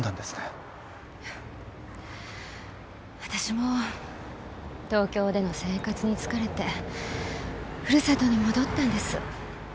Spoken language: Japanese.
私も東京での生活に疲れて古里に戻ったんです。